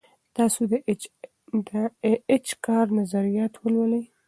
تاسو د ای اېچ کار نظریات ولولئ.